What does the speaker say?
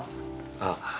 ああ。